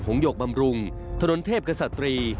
งหยกบำรุงถนนเทพกษัตรี